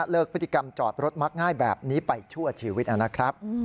พฤติกรรมจอดรถมักง่ายแบบนี้ไปชั่วชีวิตนะครับ